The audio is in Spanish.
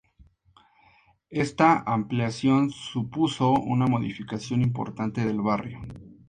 Esta ampliación supuso una modificación importante del barrio.